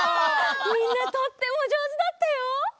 みんなとってもじょうずだったよ。